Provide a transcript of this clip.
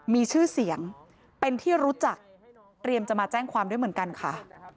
มีชื่อเสียงเป็นที่รู้จักเตรียมจะมาแจ้งความด้วยเหมือนกันค่ะ